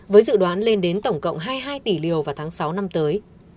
với dự đoán lên đến tổng cộng hai mươi hai tỷ liều vào tháng sáu năm tới